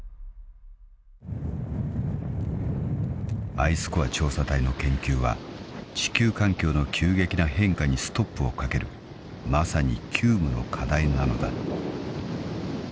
［アイスコア調査隊の研究は地球環境の急激な変化にストップをかけるまさに急務の課題なのだ］